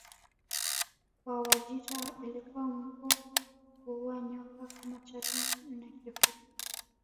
Kwa Wajita ilikuwa mwiko kuua nyoka kama chatu na kifutu